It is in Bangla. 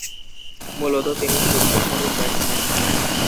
মূলতঃ তিনি শীর্ষ সারির ব্যাটসম্যান।